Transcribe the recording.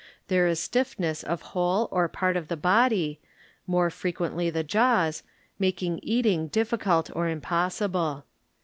There is stiff ness of whole or part of body, more fre quently the jaws, making eating difficult or impossible.